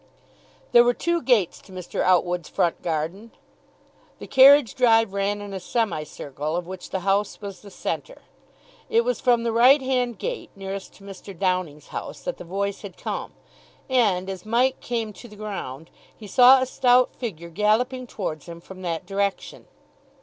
There were two gates to Mr. Outwood's front garden. The carriage drive ran in a semicircle, of which the house was the centre. It was from the right hand gate, nearest to Mr. Downing's house, that the voice had come, and, as Mike came to the ground, he saw a stout figure galloping towards him from that direction.